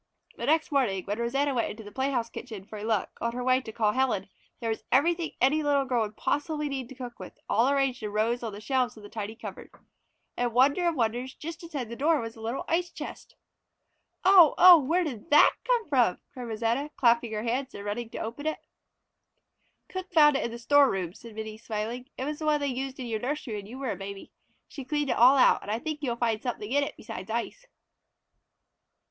The next morning when Rosanna went into the playhouse kitchen for a look on her way to call Helen, there was everything any little girl would possibly need to cook with, all arranged in rows on the shelves of the tiny cupboard. And wonder of wonders, just inside the door was a little ice chest. "Oh, oh! Where did that come from?" cried Rosanna, clapping her hands and running to open it. "Cook found it in the store room," said Minnie, smiling. "It was the one they used in your nursery when you were a baby. She cleaned it all out, and I think you will find something in it besides ice."